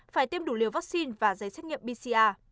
phải tiêm đủ liều vaccine và giấy xét nghiệm pcr